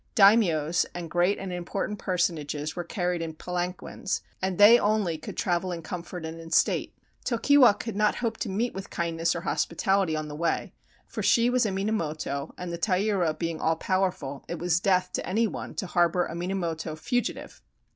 Daimios and great and important personages were carried in palanquins, and they only could travel in comfort and in state. Tokiwa could not hope to meet with kindness or hospitality on the way, for she was a Minamoto, and the Taira being all powerful it was death to any one to harbor a Minamoto fugitive.